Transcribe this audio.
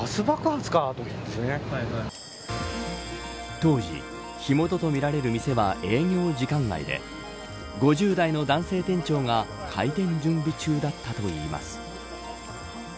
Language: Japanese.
当時、火元とみられる店は営業時間外で５０代の男性店長が開店準備中だったといいます。